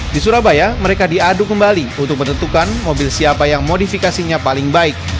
di surabaya mereka diadu kembali untuk menentukan mobil siapa yang modifikasinya paling baik